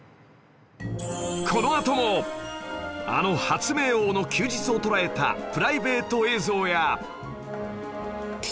このあともあの発明王の休日を捉えたプライベート映像や